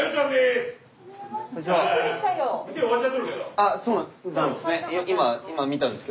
あそうなんですね。